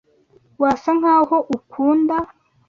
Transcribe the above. Wasa nkaho ukunda.